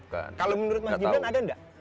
kalau menurut mas gibran ada nggak